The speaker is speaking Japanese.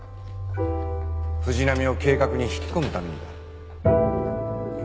藤波を計画に引き込むためにだ。